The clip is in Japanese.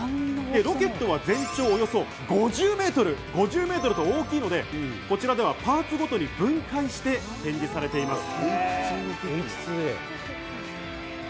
ロケットは全長およそ５０メートルと大きいので、こちらではパーツごとに分解して展示されています。